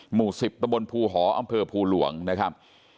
หมู่๑๐ตะบนภูเหาะอ่าพภูลวงนะครับ